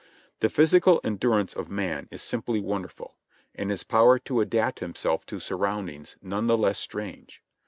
The physical endurance of man is simply wonderful, and his power to adapt himself to surroundings none the less strange.